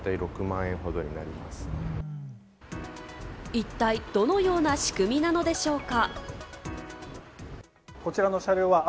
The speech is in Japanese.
一体どのような仕組みなのでしょうか？